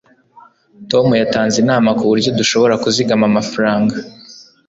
tom yatanze inama kuburyo dushobora kuzigama amafaranga